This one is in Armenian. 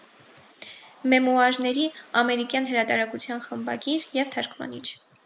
Մեմուարների ամերիկյան հրատարակության խմբագիր և թարգմանիչ։